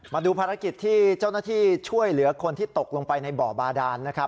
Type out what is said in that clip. มาดูภารกิจที่เจ้าหน้าที่ช่วยเหลือคนที่ตกลงไปในบ่อบาดานนะครับ